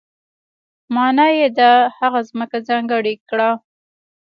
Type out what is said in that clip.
معنا یې ده هغه ځمکه ځانګړې کړه.